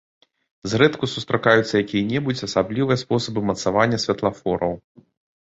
Зрэдку сустракаюцца і якія-небудзь асаблівыя спосабы мацавання святлафораў.